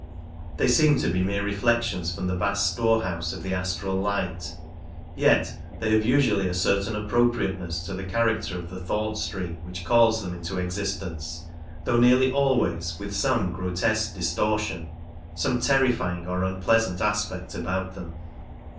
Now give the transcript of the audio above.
They seem to be mere reflections from the vast storehouse of the astral light, yet they have usually a certain appropriateness to the character of the thought stream which calls them into existence, though nearly always with some grotesque distortion, some terrifying or un pleasant aspect about them.